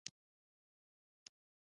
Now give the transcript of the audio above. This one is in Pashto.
د وینو حرکت بېل او جلا لار لري.